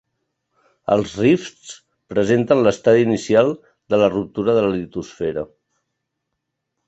Els rifts presenten l'estadi inicial de la ruptura de la litosfera.